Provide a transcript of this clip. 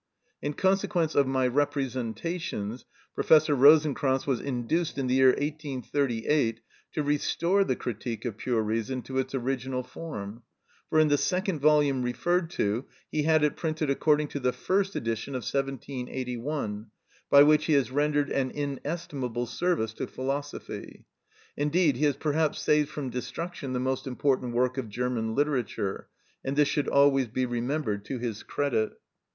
In consequence of my representations, Professor Rosenkranz was induced in the year 1838 to restore the "Critique of Pure Reason" to its original form, for in the second volume referred to he had it printed according to the first edition of 1781, by which he has rendered an inestimable service to philosophy; indeed, he has perhaps saved from destruction the most important work of German literature; and this should always be remembered to his credit.